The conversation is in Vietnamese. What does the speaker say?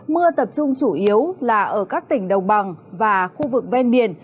mưa tập trung chủ yếu là ở các tỉnh đồng bằng và khu vực ven biển